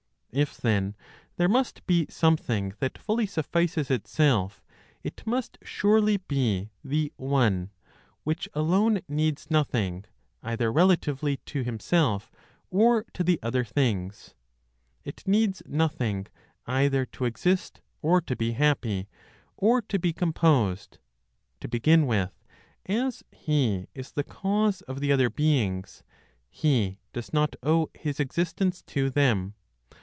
If then there must be something that fully suffices itself, it must surely be the One, which alone needs nothing either relatively to Himself, or to the other things. It needs nothing either to exist, or to be happy, or to be composed. To begin with, as He is the cause of the other beings, He does not owe His existence to them.